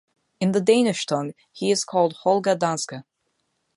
In the Danish tongue he is called Holger Danske.